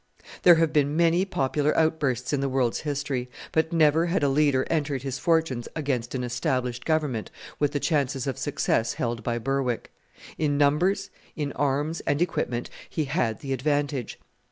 There have been many popular outbursts in the world's history; but never had a leader entered his fortunes against an established Government with the chances of success held by Berwick! In numbers, in arms and equipment, he had the advantage.